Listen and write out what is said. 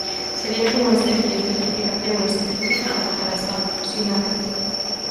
"Sería como unha especie de certificación específica para cada espazo", sinala.